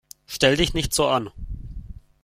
Stell dich nicht so an!